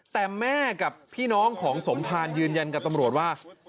แต่แม่กับพี่น้องของสมภารยืนยันกับตำรวจว่า